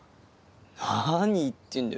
何言ってんだよ